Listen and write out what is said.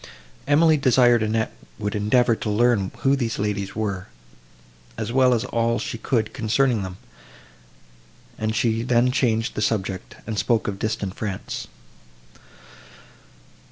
Emily desired Annette would endeavour to learn who these ladies were, as well as all she could concerning them; and she then changed the subject, and spoke of distant France.